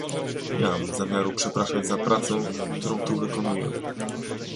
Nie mam zamiaru przepraszać za pracę, którą tu wykonuję